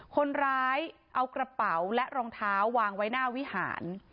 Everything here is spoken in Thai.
คนร้ายเอากระเป๋าและรองเท้าวางไว้หน้าวิหาร